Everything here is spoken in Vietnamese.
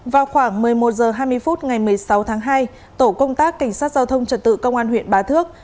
vào khoảng một mươi một h hai mươi phút ngày một mươi sáu tháng hai tổ công tác cảnh sát giao thông trật tự công an huyện bá thước